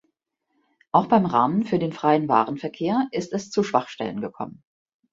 Auch beim Rahmen für den freien Warenverkehr ist es zu Schwachstellen gekommen.